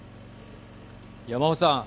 山尾さん。